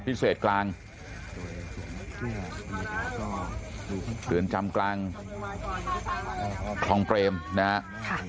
พิเศษกลางเหลือนจำกลางคลองเกรมนะครับ